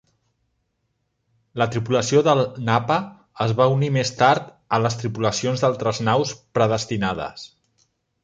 La tripulació del "Napa" es va unir més tard a les tripulacions d'altres naus predestinades.